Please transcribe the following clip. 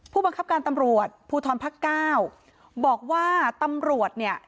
ผู้บังคับการตำรวจภูทรภักดิ์เก้าบอกว่าตำรวจเนี่ย